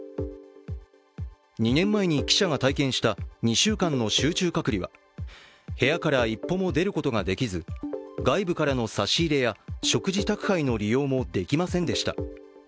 ２年前に記者が体験した２週間の集中隔離は部屋から一歩も出ることができず外部からの差し入れや食事宅配の利用もできませんでした。